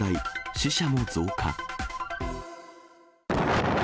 死者も増加。